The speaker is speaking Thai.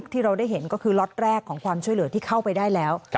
ที่เราได้เห็นก็คือล็อตแรกของความช่วยเหลือที่เข้าไปได้แล้ว